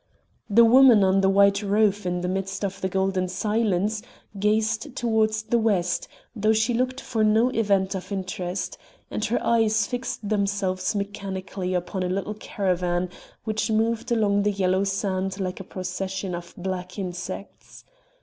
The woman on the white roof in the midst of the golden silence gazed towards the west, though she looked for no event of interest; and her eyes fixed themselves mechanically upon a little caravan which moved along the yellow sand like a procession of black insects.